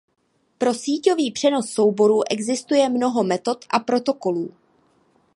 Pro síťový přenos souborů existuje mnoho metod a protokolů.